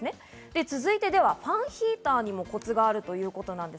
続いて、ファンヒーターにもコツがあるということです。